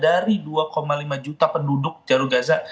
dan juga ada satu lima juta penduduk jarur gaza